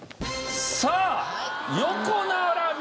さあ横並び